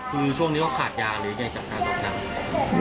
คือช่วงนี้เขาขาดยาหรือยังอยากจัดการตรงนั้น